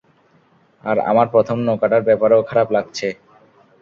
আর আমার প্রথম নৌকাটার ব্যাপারেও খারাপ লাগছে।